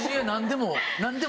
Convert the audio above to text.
何でも。